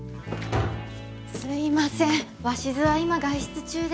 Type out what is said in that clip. すいません鷲津は今外出中で。